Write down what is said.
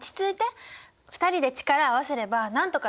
２人で力を合わせればなんとかなるよ！